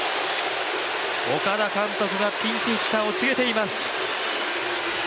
岡田監督がピンチヒッターを告げています。